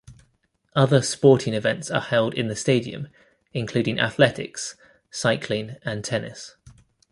Other sporting events are held in the stadium, including athletics, cycling and tennis.